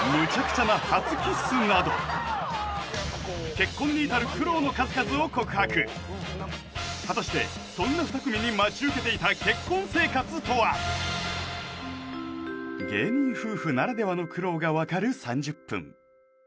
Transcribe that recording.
結婚にいたる苦労の数々を告白果たしてそんな２組に待ち受けていた結婚生活とは芸人夫婦ならではの苦労がわかる３０分